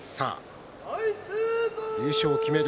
優勝を決める